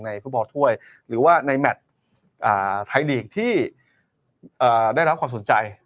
ฟุตบอลถ้วยหรือว่าในแมทไทยลีกที่ได้รับความสนใจ